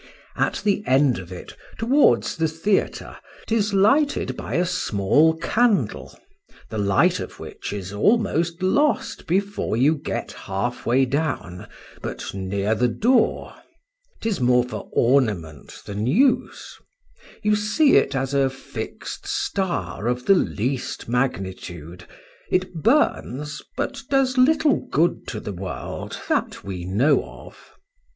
At the end of it, towards the theatre, 'tis lighted by a small candle, the light of which is almost lost before you get half way down, but near the door—'tis more for ornament than use: you see it as a fixed star of the least magnitude; it burns,—but does little good to the world, that we know of.